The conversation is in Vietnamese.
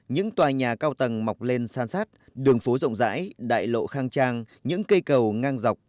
những tòa nhà cao tầng mọc lên san sát đường phố rộng rãi đại lộ khang trang những cây cầu ngang dọc